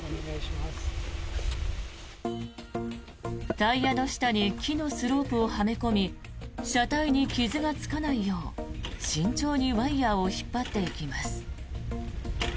タイヤの下に木のスロープをはめ込み車体に傷がつかないよう慎重にワイヤを引っ張っていきます。